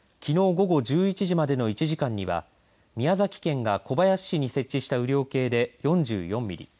午後１１時までの１時間には宮崎県が小林市に設置した雨量計で４４ミリ